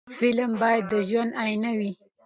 فلم باید د ژوند آیینه وي